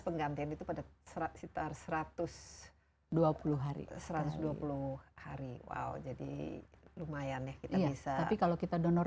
pergantian itu pada satu ratus dua puluh hari jadi lumayan ya kita bisa tapi kalau kita donor